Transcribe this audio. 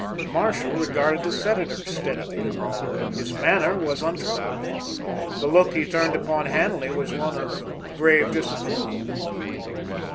Marshall regarded the senator steadily. His manner was untroubled. The look he turned upon Hanley was one of grave disapproval.